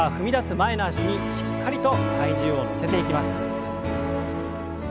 前の脚にしっかりと体重を乗せていきます。